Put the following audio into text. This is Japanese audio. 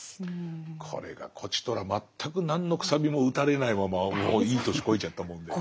これがこちとら全く何の楔も打たれないままいい年こいちゃったもんで。